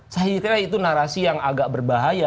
saya kira itu narasi yang agak berbahaya